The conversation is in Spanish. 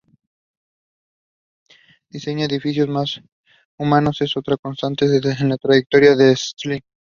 Diseñar edificios más humanos es otra constante en la trayectoria de Stirling.